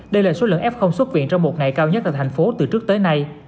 đây là số lượng f xuất viện trong một ngày cao nhất tại thành phố từ trước tới nay